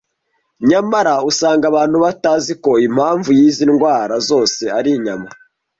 Nyamara usanga abantu batazi ko impamvu y’izi ndwara zose ari inyama.